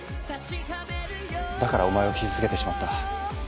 だからお前を傷つけてしまった。